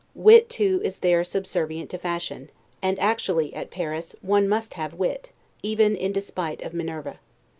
Wit, too, is there subservient to fashion; and actually, at Paris, one must have wit, even in despite of Minerva.